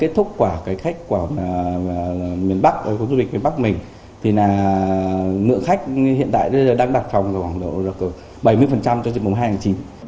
kết thúc của cái khách của miền bắc của du lịch miền bắc mình thì là ngựa khách hiện tại đang đặt phòng vào khoảng độ bảy mươi cho dịp mùa hai tháng chín